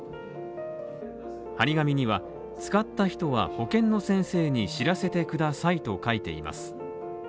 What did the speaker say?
張り紙には、使った人は保健の先生に知らせてくださいと書いています。